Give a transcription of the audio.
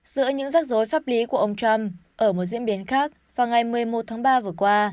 giữa những rắc rối pháp lý của ông trump ở một diễn biến khác vào ngày một mươi một tháng ba vừa qua